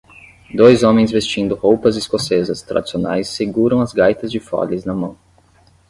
Dois homens vestindo roupas escocesas tradicionais seguram as gaitas de foles nas mãos.